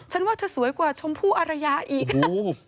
ฉันว่าเธอสวยกว่าชมพู่อารยาอีกค่ะ